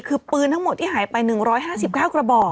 คือปืนทั้งหมดที่หายไป๑๕๙กระบอก